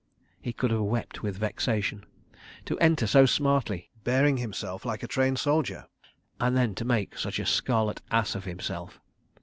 He could have wept with vexation. To enter so smartly, hearing himself like a trained soldier—and then to make such a Scarlet Ass of himself!